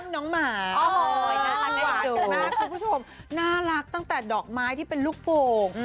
น้องหมาน่ารักตั้งแต่ดอกไม้ที่เป็นลูกโฟง